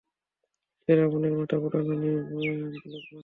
সে রাবণের মাথা পোড়ানো নিয়ে ব্লগ বানায়।